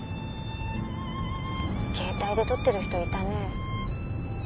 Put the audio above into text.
携帯で撮ってる人いたね。